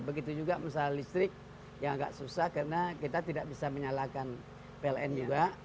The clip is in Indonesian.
begitu juga masalah listrik yang agak susah karena kita tidak bisa menyalakan pln juga